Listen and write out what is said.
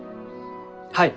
はい。